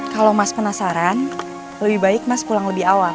kalau mas penasaran lebih baik mas pulang lebih awal